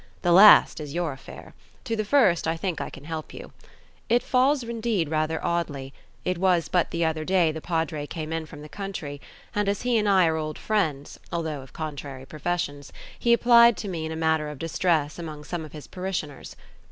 The last is your affair. To the first I think I can help you. It falls indeed rather oddly; it was but the other day the Padre came in from the country; and as he and I are old friends, although of contrary professions, he applied to me in a matter of distress among some of his parishioners.